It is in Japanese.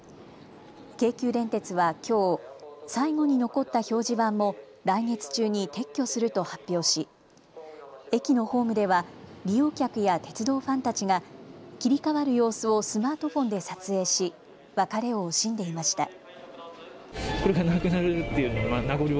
京急電鉄はきょう、最後に残った表示板も来月中に撤去すると発表し駅のホームでは利用客や鉄道ファンたちが切り替わる様子をスマートフォンで撮影し別れを惜しんでいました。